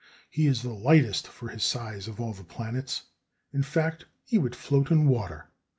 He is the lightest for his size of all the planets. In fact, he would float in water.